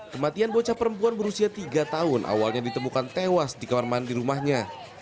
kematian bocah perempuan berusia tiga tahun awalnya ditemukan tewas di kamar mandi rumahnya